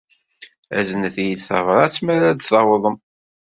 Aznet-iyi-d tabṛat mi ara tawḍem.